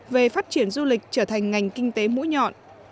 về phát triển du lịch trở thành ngành kinh tế mũi nhọn